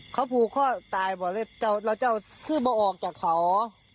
เขาพูดเขาตายบ่อยแล้วเจ้าแล้วเจ้าขึ้นมาออกจากเขา